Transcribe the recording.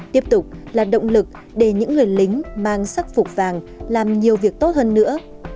tiếp tục là động lực để những người lính mang sắc phục vàng làm nhiều việc tốt hơn nữa